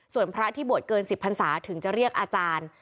ส่วนพระที่บวชเกิน๑๐พันศาถึงจะเรียกอาจารย์